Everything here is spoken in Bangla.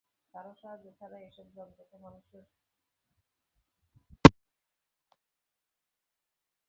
কারও সাহায্য ছাড়াই এসব যন্ত্রকে মানুষের পরিপূর্ণ সহযোগীর ভূমিকায় নামতে হবে।